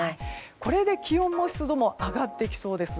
これで気温も湿度も上がってきそうです。